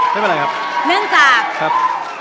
ครับใช่บ้างไรครับ